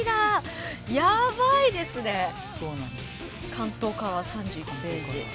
巻頭カラー３１ページ。